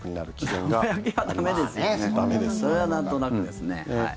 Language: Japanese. それはなんとなくですね。